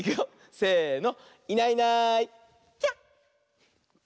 せの。